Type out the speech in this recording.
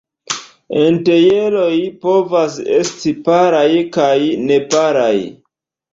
Entjeroj povas esti paraj kaj neparaj.